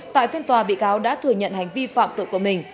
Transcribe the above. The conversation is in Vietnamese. tại phiên tòa bị cáo đã thừa nhận hành vi phạm tội của mình